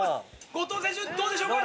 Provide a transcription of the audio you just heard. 後藤選手どうでしょうか？